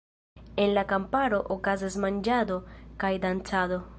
En la kamparo okazas manĝado kaj dancado.